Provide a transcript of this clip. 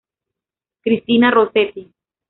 Christina Rossetti